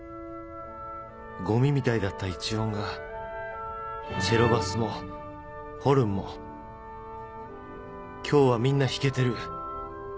ゴミみたいだった一音がチェロバスもホルンも今日はみんな弾けてる。